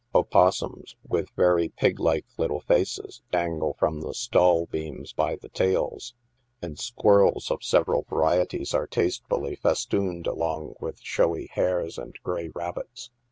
Opossums, with very pig like little faces, dangle from the stall beams by the tails, and squirrels of several varieties are tastefully festooned along wiJ.i snowy hares and grey rabbits.